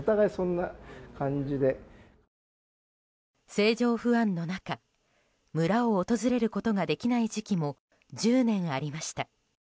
政情不安の中村を訪れることができない時期も１０年ありました。